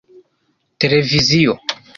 tereviziyo